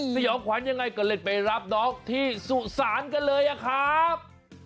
สยองขวัญยังไงก็เล่นไปรับน้องที่สุสานกันเลยอะครับ